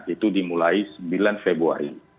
itu dimulai sembilan februari